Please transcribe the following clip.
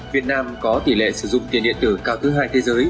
việt nam có tỷ lệ sử dụng tiền điện tử cao thứ hai thế giới